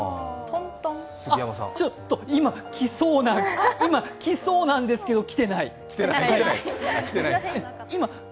ちょっと今、来そうなんですけど、来てない。